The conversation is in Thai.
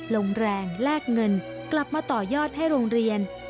ลงแรงแลกเงินกลับมาต่อยอดให้โรงเรียน